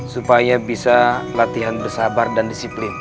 supaya bisa latihan bersabar dan disiplin